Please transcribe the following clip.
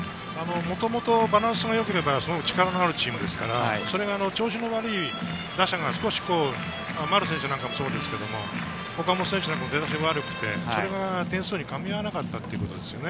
もともとバランスが良ければ力のあるチームですから、調子が悪い打者が丸選手なんかもそうですけど、岡本選手も出だしが悪くて、それがかみ合わなかったということですね。